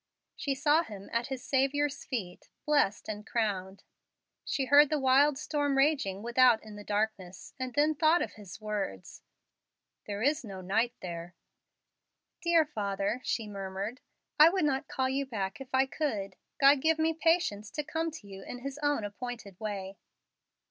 She saw him at his Saviour's feet, blessed and crowned. She heard the wild storm raging without in the darkness, and then thought of his words "There is no night there." "Dear father," she murmured, "I would not call you back if I could. God give me patience to come to you in His own appointed way."